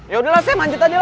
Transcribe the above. yaudahlah saya manjat aja loh